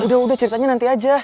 udah udah ceritanya nanti aja